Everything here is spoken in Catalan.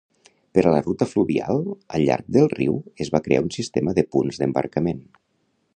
Par a la ruta fluvial, al llarg del riu es va crear un sistema de punts d'embarcament.